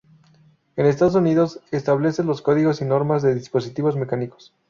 En Estados Unidos establece los códigos y normas de dispositivos mecánicos.